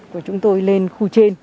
của chúng tôi lên khu trên